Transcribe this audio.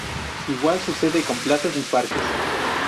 Igual sucede con plazas y parques.